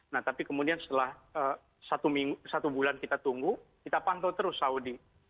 nah tapi kemudian setelah satu bulan kita tunggu kita pantau terus saudi